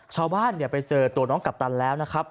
ชาวบ้านไปเจอตัวน้องกัปตันแล้วนะครับ